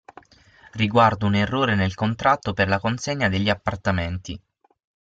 Riguardo un errore nel contratto per la consegna degli appartamenti.